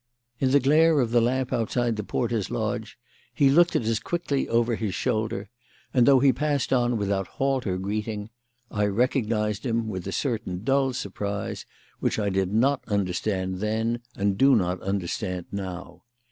In the glare of the lamp outside the porter's lodge he looked at us quickly over his shoulder, and though he passed on without halt or greeting, I recognised him with a certain dull surprise which I did not understand then and do not understand now.